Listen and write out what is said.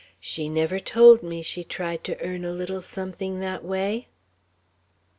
She never told me she tried to earn a little something that way."